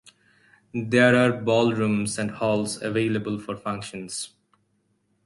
There are ballrooms and halls available for functions.